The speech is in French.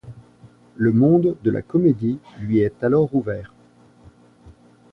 Le monde de la comédie lui est alors ouvert.